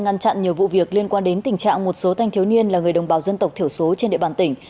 ngăn chặn nhiều vụ việc liên quan đến tình trạng một số thanh thiếu niên là người đồng bào dân tộc thiểu số trên địa bàn tỉnh